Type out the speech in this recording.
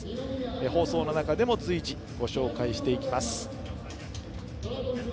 放送の中でも随時ご紹介します。